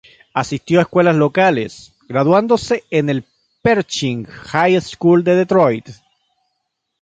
Asistió a escuelas locales, graduándose en el Pershing High School de Detroit.